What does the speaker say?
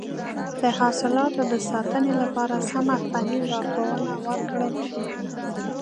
د حاصلاتو د ساتنې لپاره سمه فني لارښوونه ورکړل شي.